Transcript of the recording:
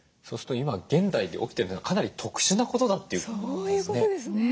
そうすると今現代で起きてるのはかなり特殊なことだっていうことですね。